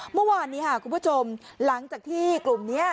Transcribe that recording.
เมื่อวานนี้ค่ะคุณผู้ชมหลังจากที่กลุ่มนี้